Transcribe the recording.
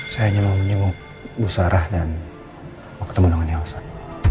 saya hanya mau menyeluk bu sarah dan mau ketemu dengan yalsan